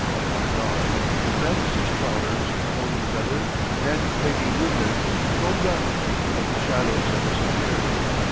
At dawn His Majesty's trawlers Golden Feather and Peggy Nutten foamed up, but the shadows had disappeared.